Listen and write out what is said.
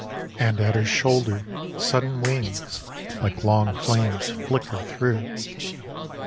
And at her shoulder sudden wingsLike long flames flicker through.